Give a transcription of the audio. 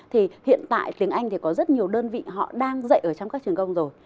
thì hiện tại tiếng anh thì có rất nhiều đơn vị họ đang dạy ở trong các trường công rồi